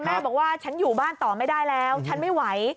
แม่บอกว่าฉันอยู่บ้านต่อไม่ได้แล้วฉันไม่ไหว